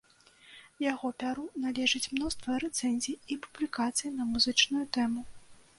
Яго пяру належыць мноства рэцэнзій і публікацый на музычную тэму.